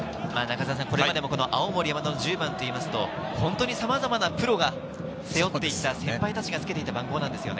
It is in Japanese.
これまでも青森山田の１０番といいますと、本当にさまざまなプロが背負っていった先輩たちがつけていた番号ですよね。